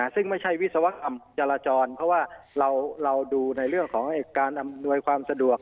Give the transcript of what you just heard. ซึ่งไม่ใช่วิศวกรรมจราจรเพราะว่าเราดูในเรื่องของการอำนวยความสะดวก